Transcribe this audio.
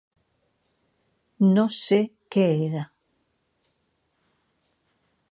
No sé què era.